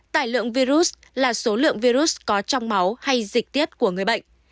tải lượng virus là số lượng virus có trong máu hay dịch tiết của người bệnh